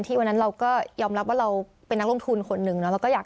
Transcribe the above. ที่วันนั้นเราก็ยอมรับว่าเราเป็นลงทุนคนหนึ่งแล้วก็อยาก